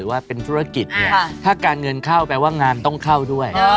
ว่าเป็นธุรกิจเนี่ยถ้าการเงินเข้าแปลว่างานต้องเข้าด้วย